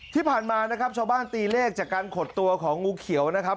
ที่ผ่านมานะครับชาวบ้านตีเลขจากการขดตัวของงูเขียวนะครับ